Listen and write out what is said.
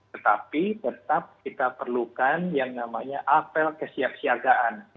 tetapi tetap kita perlukan yang namanya apel kesiapsiagaan